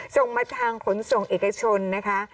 ส่งมาทางขนส่งเอกชนนะคะ